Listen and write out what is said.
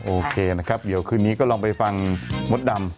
โอเคนะครับเดี๋ยวคืนนี้ก็ลองไปฟังมดดำ